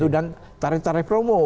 dan tarif tarif promo